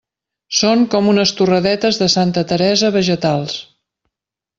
Són com unes torradetes de Santa Teresa vegetals.